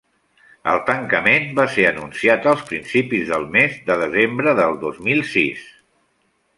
El tancament va ser anunciat als principis del mes de desembre del dos mil sis.